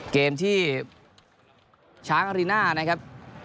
เกมที่ช้างอารีน่านะครับ